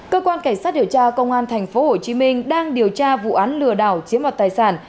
cơ quan cảnh sát điều tra công an tp hcm đang điều tra vụ án lừa đảo chiếm mặt tài sản